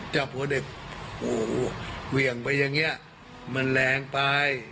จับหัวเด็กโอ้โหเหวี่ยงไปอย่างนี้มันแรงไป